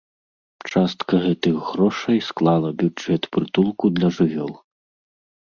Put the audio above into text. Частка гэтых грошай склала бюджэт прытулку для жывёл.